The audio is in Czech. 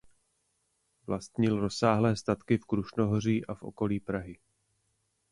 Vlastnil rozsáhlé statky v Krušnohoří a v okolí Prahy.